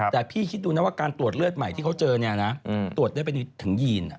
แต่พี่คิดดูนะว่าการตรวจเลือดใหม่ที่เขาเจอเนี่ยนะตรวจได้ไปถึงยีน